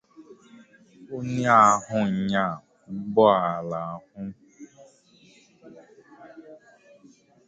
onye ahụ nya ụgbọala ahụ